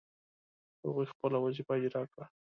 هغوی خپله وظیفه اجرا کړه.